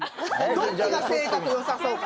どっちが性格良さそうか。